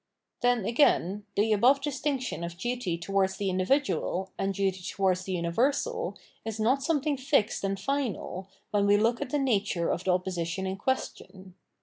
Then, again, the above distinction of duty towards the individual and duty towards the universal is not something fixed and final, when we look at the nature of the opposition in question.